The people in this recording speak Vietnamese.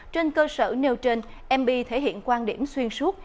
trên cơ sở nêu trên mb thể hiện quan điểm xuyên suốt